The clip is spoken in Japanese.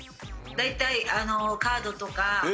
大体カードとか。